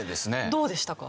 どうでしたか？